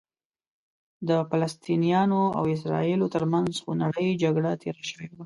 د فلسطینیانو او اسرائیلو ترمنځ خونړۍ جګړه تېره شوې وه.